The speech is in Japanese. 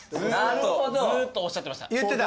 ずっとおっしゃってました。